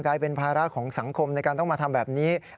เป็นภาระของสังคมในการต้องมาทำแบบนี้